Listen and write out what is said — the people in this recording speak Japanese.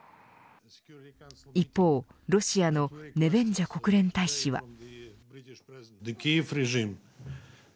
一方、ロシアのネベンジャ国連大使は。